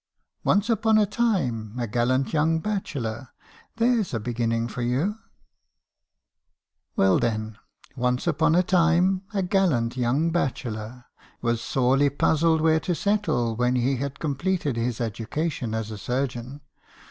'Once upon a time, a gallant young bachelor —' There 's a beginning for you !"• "Well, then, 'once upon a time, a gallant young bachelor' was sorely puzzled where to settle , when he had completed his education as a surgeon.